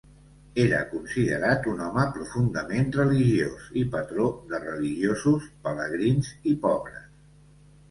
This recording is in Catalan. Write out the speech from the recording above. Era considerat un home profundament religiós i patró de religiosos, pelegrins i pobres.